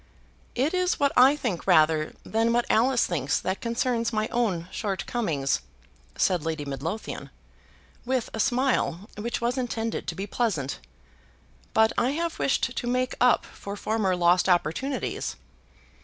"It is what I think rather than what Alice thinks that concerns my own shortcomings," said Lady Midlothian, with a smile which was intended to be pleasant. "But I have wished to make up for former lost opportunities."